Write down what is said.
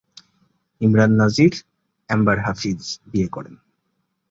ইমরান নাজির অ্যাম্বার হাফিজ বিয়ে করেন।